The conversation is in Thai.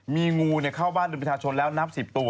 มีงูเนี่ยเข้าบ้านประชาชนแล้วนับ๑๐ตัว